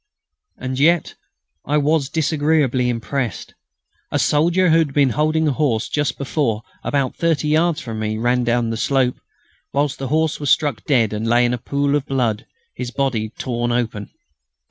And yet I was disagreeably impressed: a soldier who had been holding a horse just before about 30 yards from me ran down the slope, whilst the horse was struck dead and lay in a pool of blood, his body torn open.